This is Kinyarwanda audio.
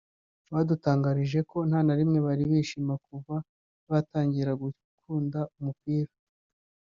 badutangarije ko nta na rimwe bari bishima kuva batangira gukunda umupira